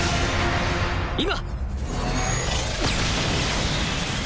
今！